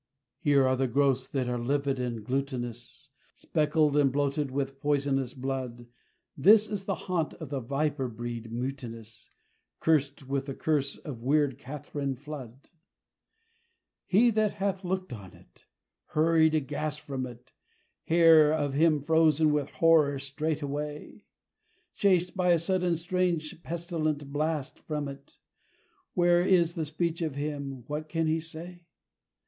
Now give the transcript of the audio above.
Here are the growths that are livid and glutinous, Speckled, and bloated with poisonous blood: This is the haunt of the viper breed mutinous: Cursed with the curse of weird Catherine Flood. He that hath looked on it hurried aghast from it, Hair of him frozen with horror straightway, Chased by a sudden strange pestilent blast from it Where is the speech of him what can he say?